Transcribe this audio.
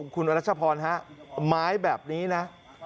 คุณอรัชพรฮะไม้แบบนี้นะ